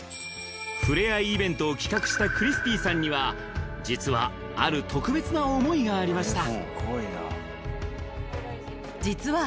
触れ合いイベントを企画したクリスティさんには実はある特別な思いがありました